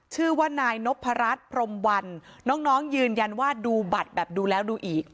ชื่อว่านายนพรัชพรมวันน้องยืนยันว่าดูบัตรแบบดูแล้วดูอีก